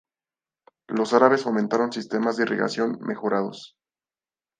Los árabes fomentaron sistemas de irrigación mejorados.